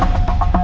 aku kasih tau